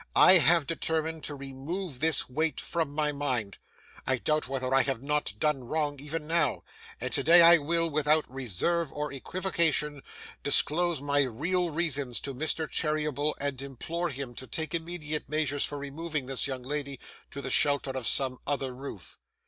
I have determined to remove this weight from my mind. I doubt whether I have not done wrong, even now; and today I will, without reserve or equivocation, disclose my real reasons to Mr Cherryble, and implore him to take immediate measures for removing this young lady to the shelter of some other roof.